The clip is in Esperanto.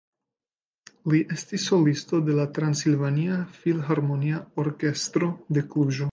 Li estis solisto de la Transilvania Filharmonia Orkestro de Kluĵo.